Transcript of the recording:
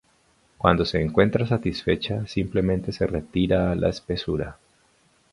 Cuando se encuentra satisfecha simplemente se retira a la espesura.